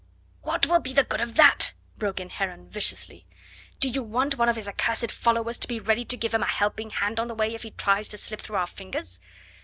"What will be the good of that?" broke in Heron viciously. "Do you want one of his accursed followers to be ready to give him a helping hand on the way if he tries to slip through our fingers?"